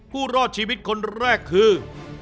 ผู้รอดชีวิตคนแรกคือ